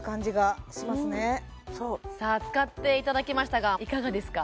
使っていただきましたがいかがですか？